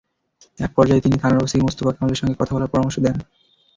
একপর্যায়ে তিনি থানার ওসি মোস্তফা কামালের সঙ্গে কথা বলার পরামর্শ দেন।